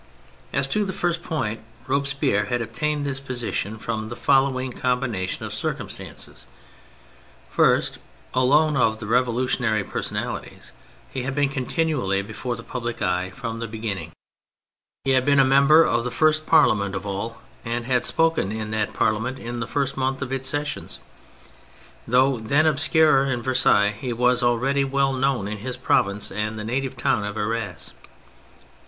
As to the first point, Robespierre had attained this position from the following combination of circumstances : fh'st, alone of the revolutionary personalities, he had been continually before the public eye from the beginning ; he had been a member of the first Parliament of all and had spoken in that Parliament in the first month of its sessions. Though then obscure in Versailles, he was already well known in his province and native town of Arras.